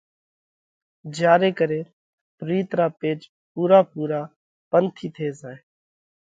جيا ري ڪري پرِيت را پيچ پُورا پُورا پنَٿِي ٿي زائه۔